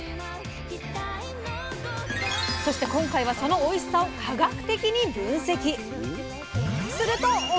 そして今回はそのおいしさを科学的に分析。